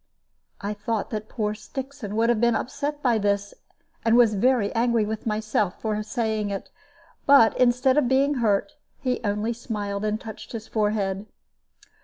I thought that poor Stixon would have been upset by this, and was angry with myself for saying it; but instead of being hurt, he only smiled and touched his forehead.